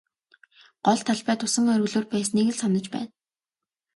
Гол талбайд усан оргилуур байсныг л санаж байна.